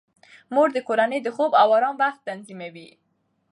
مور د کورنۍ د خوب او آرام وخت تنظیموي.